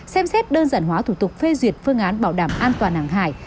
xem xét đơn giản hóa thủ tục phê duyệt phương án bảo đảm an toàn hàng hải